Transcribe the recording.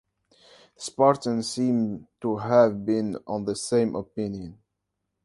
The Spartans seem to have been of the same opinion.